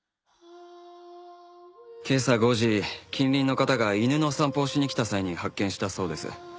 今朝５時近隣の方が犬の散歩をしに来た際に発見したそうです。